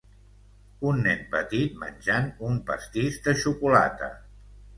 Un nen petit menjant un pastís de xocolata.